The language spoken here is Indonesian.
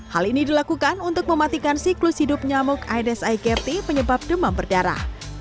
hal ini dilakukan untuk mematikan siklus hidup nyamuk aedes aegypti penyebab demam berdarah